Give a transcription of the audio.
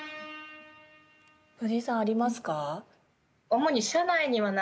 フヂイさん、ありますか？